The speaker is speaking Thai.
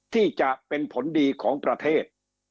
ที่จะเป็นผลดีของประเทศ